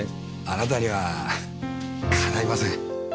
あなたにはかないません。